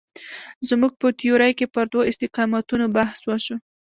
زموږ په تیورۍ کې پر دوو استقامتونو بحث وشو.